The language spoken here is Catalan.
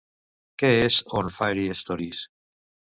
Què és On Fairy-Stories?